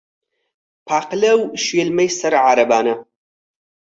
پاقلە و شێلمەی سەر عارەبانە